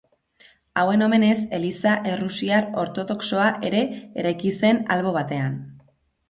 Hauen omenez eliza errusiar ortodoxoa ere eraiki zen albo batean.